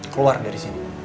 keluar dari sini